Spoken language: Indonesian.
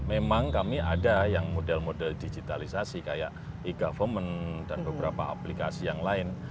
memang kami ada yang model model digitalisasi kayak e government dan beberapa aplikasi yang lain